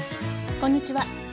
こんにちは。